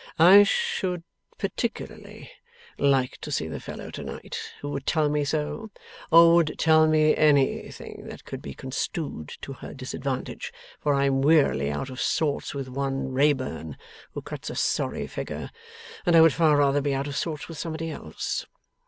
I should particularly like to see the fellow to night who would tell me so, or who would tell me anything that could be construed to her disadvantage; for I am wearily out of sorts with one Wrayburn who cuts a sorry figure, and I would far rather be out of sorts with somebody else.